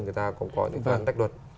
người ta cũng có những phương án tách luật